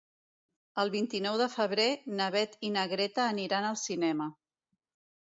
El vint-i-nou de febrer na Beth i na Greta aniran al cinema.